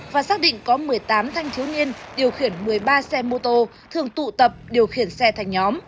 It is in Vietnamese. và xác định có một mươi tám thanh thiếu niên điều khiển một mươi ba xe mô tô thường tụ tập điều khiển xe thành nhóm